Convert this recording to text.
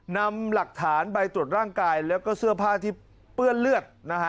นำหลักฐานใบตรวจร่างกายแล้วก็เสื้อผ้าที่เปื้อนเลือดนะฮะ